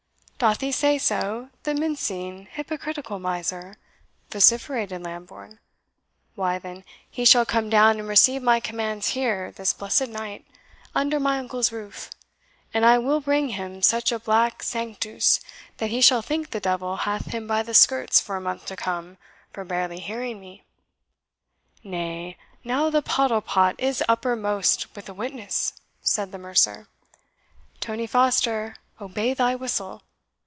"Doth he say so, the mincing, hypocritical miser?" vociferated Lambourne. "Why, then, he shall come down and receive my commands here, this blessed night, under my uncle's roof! And I will ring him such a black sanctus, that he shall think the devil hath him by the skirts for a month to come, for barely hearing me." "Nay, now the pottle pot is uppermost, with a witness!" said the mercer. "Tony Foster obey thy whistle!